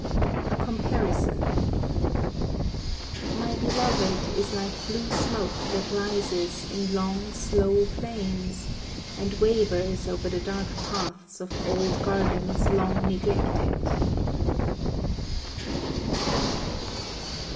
A Comparison My beloved is like blue smoke that rises In long slow planes, And wavers Over the dark paths of old gardens long neglected.